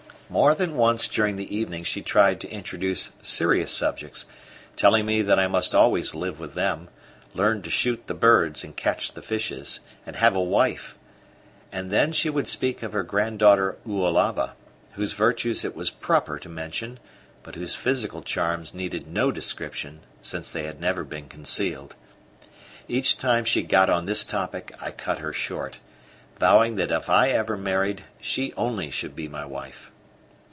More than once during the evening she tried to introduce serious subjects, telling me that I must always live with them, learn to shoot the birds and catch the fishes, and have a wife; and then she would speak of her granddaughter Oalava, whose virtues it was proper to mention, but whose physical charms needed no description since they had never been concealed. Each time she got on this topic I cut her short, vowing that if I ever married she only should be my wife.